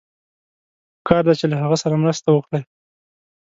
پکار ده چې له هغه سره مرسته وکړئ.